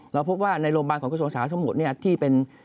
เราพบว่าในโรงพยาบาลของกระทรวงสาธาสมุทรที่เป็น